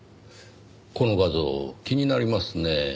この画像気になりますねぇ。